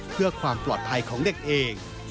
เพื่อความปลอดภัยของเด็กเอง